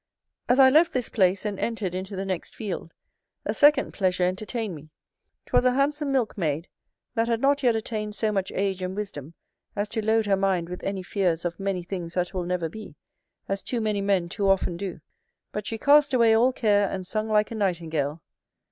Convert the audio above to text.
As I left this place, and entered into the next field, a second pleasure entertained me; 'twas a handsome milk maid, that had not yet attained so much age and wisdom as to load her mind with any fears of many things that will never be, as too many men too often do; but she cast away all care, and sung like a nightingale.